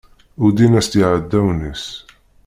Uddin-as-tt yiɛdawen-is.